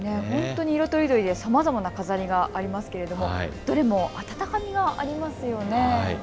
ほんとに色とりどりで、さまざまな飾りがありますけれどもどれも温かみがありますよね。